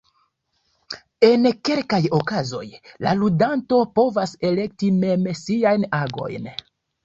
En kelkaj okazoj la ludanto povas elekti mem siajn agojn.